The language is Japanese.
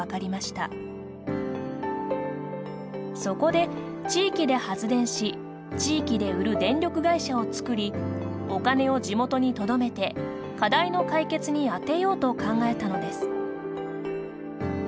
そこで地域で発電し地域で売る電力会社を作りお金を地元にとどめて課題の解決に充てようと考えたのです。